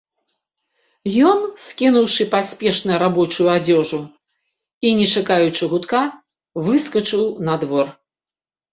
Ён, скінуўшы паспешна рабочую адзежу і не чакаючы гудка, выскачыў на двор.